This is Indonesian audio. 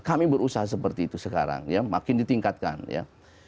kami berusaha seperti itu sekarang ya makin ditingkatkan ya